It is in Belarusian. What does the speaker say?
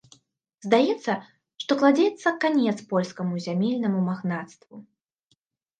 Здаецца, што кладзецца канец польскаму зямельнаму магнацтву.